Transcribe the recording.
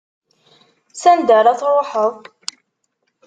S anda ara truḥeḍ?